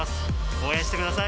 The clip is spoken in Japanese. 応援してください。